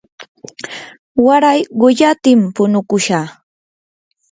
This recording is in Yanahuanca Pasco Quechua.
waray quyatim punukushaq.